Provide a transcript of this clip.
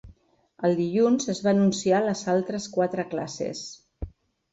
El dilluns es va anunciar les altres quatre classes.